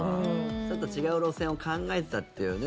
ちょっと違う路線を考えてたっていうね。